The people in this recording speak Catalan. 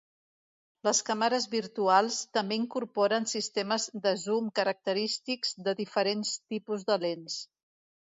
Les càmeres virtuals també incorporen sistemes de zoom característics de diferents tipus de lents.